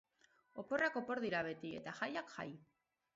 Oporrak opor dira beti, eta jaiak jai!